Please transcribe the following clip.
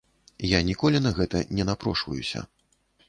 Я ніколі на гэта не напрошваюся.